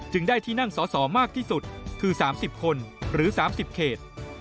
ได้ที่นั่งสอสอมากที่สุดคือ๓๐คนหรือ๓๐เขต